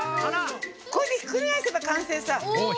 これでひっくり返せばかんせいさ。